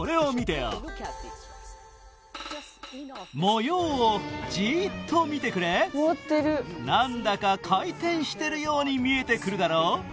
模様をじっと見てくれなんだか回転してるように見えてくるだろ？